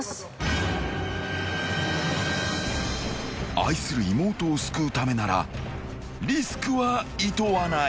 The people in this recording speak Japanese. ［愛する妹を救うためならリスクはいとわない］